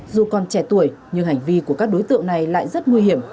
dù còn trẻ tuổi nhưng hành vi của các đối tượng này lại rất nguy hiểm